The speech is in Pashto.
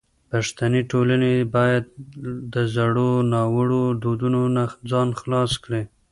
پښتني ټولنه باید د زړو ناوړو دودونو نه ځان خلاص کړي.